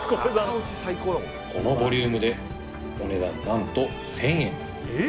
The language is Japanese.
このボリュームでお値段何と１０００円